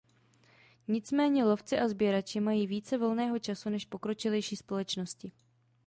Nicméně lovci a sběrači mají více volného času než pokročilejší společnosti.